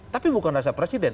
tapi bukan rasa presiden